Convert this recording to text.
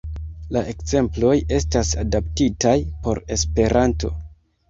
La ekzemploj estas adaptitaj por Esperanto.